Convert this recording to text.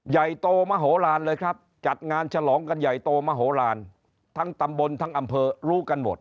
ใหญ่โตมโหลานเลยครับจัดงานฉลองกันใหญ่โตมโหลานทั้งตำบลทั้งอำเภอรู้กันหมด